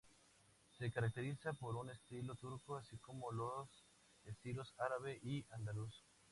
Se caracteriza por un estilo turco, así como los estilos árabe y andaluz.